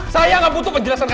saya gak butuh penjelasan kamu